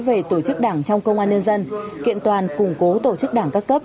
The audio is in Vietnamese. về tổ chức đảng trong công an nhân dân kiện toàn củng cố tổ chức đảng các cấp